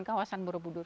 dan kawasan borobudur